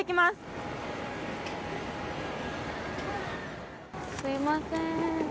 すみません。